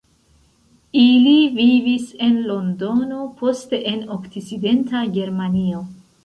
Ili vivis en Londono, poste en Okcidenta Germanio.